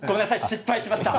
失敗しました。